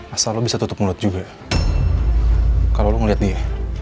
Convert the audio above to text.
asal bisa tutup mulut juga kalau lu ngeliat nih